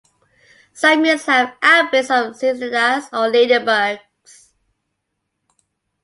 Some years have outbreaks of cicadas or ladybugs.